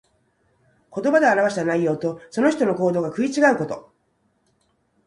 言葉で表した内容と、その人の行動とが食い違うこと。